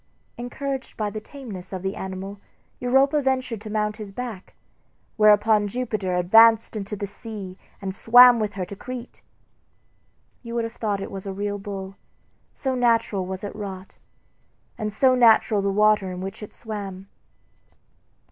Encouraged by the tameness of the animal Europa ventured to mount his back, whereupon Jupiter advanced into the sea and swam with her to Crete. You would have thought it was a real bull, so naturally was it wrought, and so natural the water in which it swam.